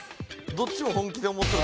「どっちも本気で思っとる」